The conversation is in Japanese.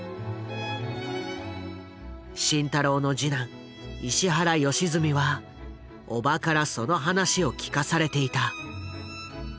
慎太郎の次男石原良純は叔母からその話を聞かされていた。